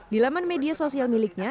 di laman media sosial miliknya